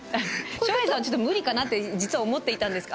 照英さんはちょっと無理かなって実は思っていたんですが。